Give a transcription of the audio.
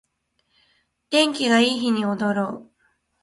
天気がいい日に踊ろう